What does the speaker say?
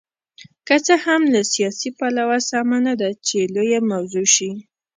که څه هم له سیاسي پلوه سمه نه ده چې لویه موضوع شي.